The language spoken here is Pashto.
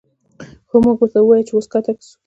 خو مونږ ورته ووې چې وس ښکته وڅښو